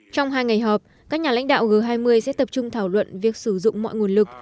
trong hai ngày họp các nhà lãnh đạo g hai mươi sẽ tập trung thảo luận việc sử dụng mọi nguồn lực